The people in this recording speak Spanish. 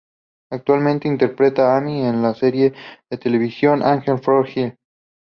Actualmente interpreta a Amy en la serie de televisión "Angel From Hell".